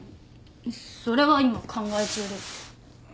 それは今考え中です。